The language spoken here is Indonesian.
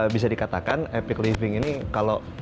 bisa dikatakan epic living ini kalau